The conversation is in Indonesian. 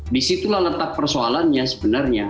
di situlah letak persoalannya sebenarnya